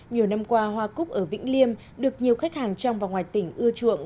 nhiều năm qua hoa cúc ở vĩnh liêm được nhiều khách hàng trong và ngoài tỉnh ưa chuộng